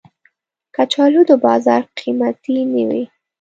کچالو د بازار قېمتي نه وي